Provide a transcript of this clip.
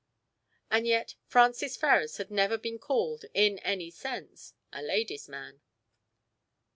And yet Francis Ferrars had never been called, in any sense, a "ladies' man."